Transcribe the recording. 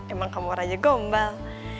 emang kamu raja gombal